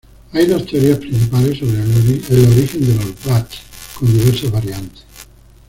Hay dos teorías principales sobre el origen de los bats, con diversas variantes.